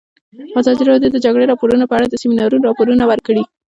ازادي راډیو د د جګړې راپورونه په اړه د سیمینارونو راپورونه ورکړي.